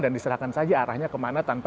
dan diserahkan saja arahnya kemana tanpa itu